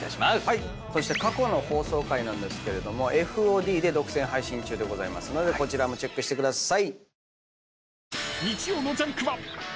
そして過去の放送回なんですがＦＯＤで独占配信中ですのでこちらもチェックしてください。